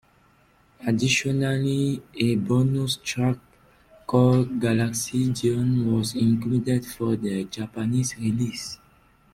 Additionally, a bonus track called "Galaxidion" was included for the Japanese release.